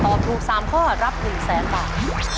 ตอบถูก๓ข้อรับ๑๐๐๐๐๐บาท